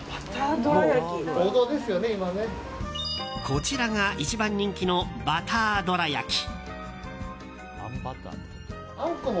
こちらが一番人気のバターどら焼き。